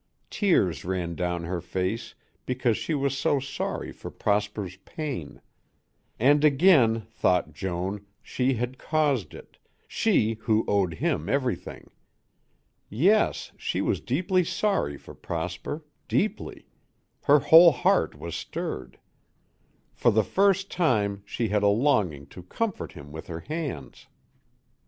Tears ran down her face because she was so sorry for Prosper's pain. And again, thought Joan, she had caused it, she who owed him everything. Yes, she was deeply sorry for Prosper, deeply; her whole heart was stirred. For the first time she had a longing to comfort him with her hands.